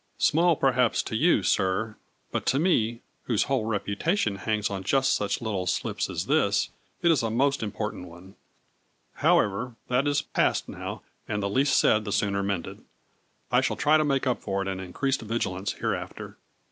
" Small perhaps to you, sir, but to me, whose A FLURRY IN DIAMONDS. 165 whole reputation hangs on just such little slips as this, it is a most important one. However, that is past now and the ' least said the sooner mended.' I shall try to make up for it in in creased vigilance hereafter."